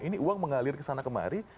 ini uang mengalir kesana kemari